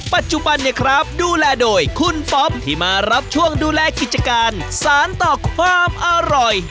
ปัจจุบันเนี่ยครับดูแลโดยคุณป๊อปที่มารับช่วงดูแลกิจการสารต่อความอร่อย